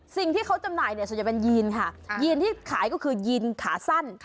สิ่งที่เขาจำหน่ายเนี่ยส่วนใหญ่เป็นยีนค่ะยีนที่ขายก็คือยีนขาสั้น